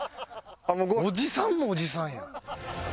おじさんもおじさんや。